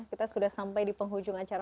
kita sudah sampai di penghujung acara